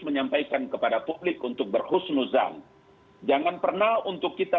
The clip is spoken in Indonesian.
menyampaikan kepada publik untuk berhusnuzan jangan pernah untuk kita